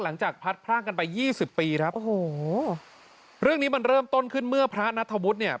หลังจากพัดพร่างกันไปยี่สิบปีครับโอ้โหเรื่องนี้มันเริ่มต้นขึ้นเมื่อพระนัทธวุฒิเนี่ย